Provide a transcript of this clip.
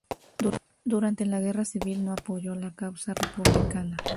Durante la Guerra Civil no apoyó la causa republicana.